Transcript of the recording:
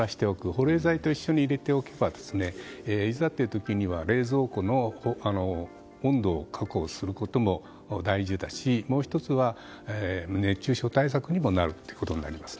保冷剤と一緒に入れておけばいざという時には冷蔵庫の温度を確保することも大事だしもう１つは熱中症対策にもなるということになります。